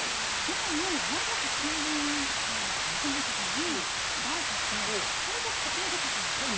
なのになぜか新聞紙新聞社さんにバレちゃってそれで先に出ちゃったんですよ。